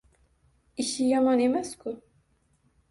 Ishi yomon emas-ku